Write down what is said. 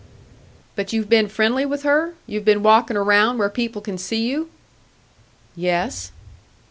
"But you've been friendly with her? You've been walking around where people can see you?" "Yes."